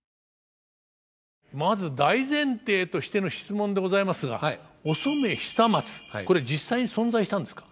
まず大前提としての質問でございますがお染久松これ実際に存在したんですか。